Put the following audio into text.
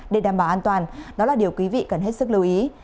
để đảm bảo an toàn đó là điều quý vị cần hết sức lưu ý